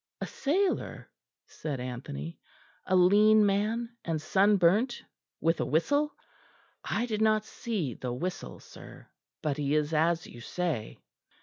"A sailor?" said Anthony; "a lean man, and sunburnt, with a whistle?" "I did not see the whistle, sir; but he is as you say."